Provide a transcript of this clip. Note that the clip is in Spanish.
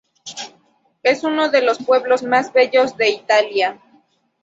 Es uno de "Los pueblos más bellos de Italia".